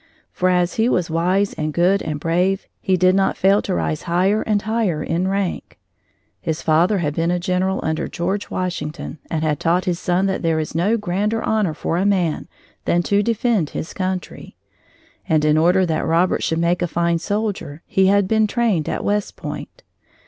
For as he was wise and good and brave, he did not fail to rise higher and higher in rank. His father had been a general under George Washington and had taught his son that there is no grander honor for a man than to defend his country. And in order that Robert should make a fine soldier, he had been trained at West Point.